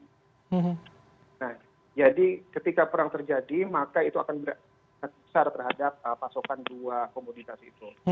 nah jadi ketika perang terjadi maka itu akan besar terhadap pasokan dua komoditas itu